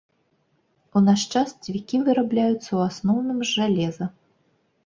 У наш час цвікі вырабляюцца ў асноўным з жалеза.